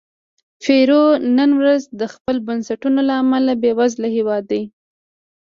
پیرو نن ورځ د خپلو بنسټونو له امله بېوزله هېواد دی.